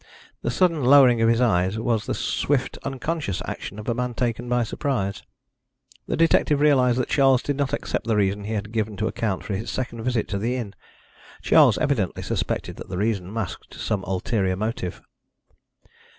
The sudden lowering of his eyes was the swift unconscious action of a man taken by surprise. The detective realised that Charles did not accept the reason he had given to account for his second visit to the inn. Charles evidently suspected that that reason masked some ulterior motive.